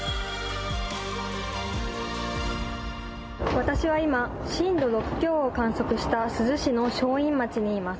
私は今震度６強を観測した珠洲市の正院町にいます。